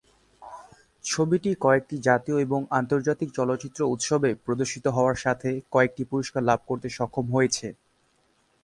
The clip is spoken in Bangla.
ছবিটি কয়েকটি জাতীয় এবং আন্তর্জাতিক চলচ্চিত্র উৎসবে প্রদর্শিত হওয়ার সাথে কয়েকটি পুরস্কার লাভ করতে সক্ষম হয়েছে।